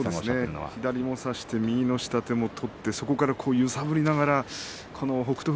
左を差して右の下手を取って、そこから揺さぶりながら北勝